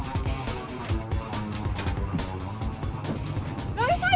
loh jalan udah